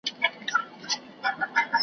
ته به هېر یې له زمانه خاطره به دي پردۍ وي .